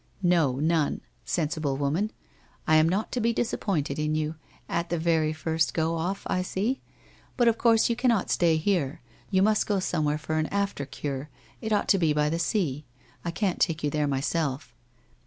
'' No, none ! Sensible woman ! I am not to be dis appointed in you — at the very first go off, I see. But of course you cannot stay on here. You must go some where for an after cure. It ought to be the sea. I can't take you there myself.'